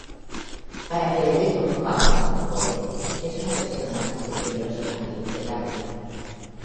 Para Federico Kauffmann Doig, es una versión más del dios Andino del Agua.